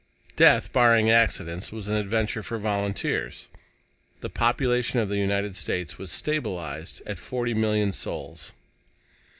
Death, barring accidents, was an adventure for volunteers. The population of the United States was stabilized at forty million souls.